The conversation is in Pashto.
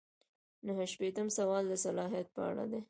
نهه شپیتم سوال د صلاحیت په اړه دی.